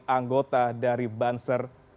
anggota dari banser